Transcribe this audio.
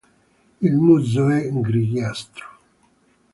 Il muso è grigiastro.